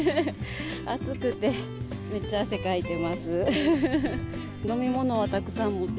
暑くて、めっちゃ汗かいてます。